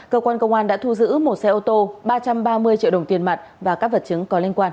cơ quan công an đã thu giữ một xe ô tô ba trăm ba mươi triệu đồng tiền mặt và các vật chứng có liên quan